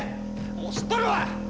もう知っとるわ！